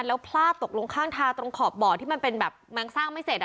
แล้วพลาดตกลงข้างทางตรงขอบบ่อที่มันเป็นแบบมันสร้างไม่เสร็จ